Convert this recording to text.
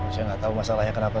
saya gak tau masalahnya kenapa